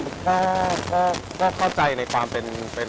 คือเราคุยกันเหมือนเดิมตลอดเวลาอยู่แล้วไม่ได้มีอะไรสูงแรง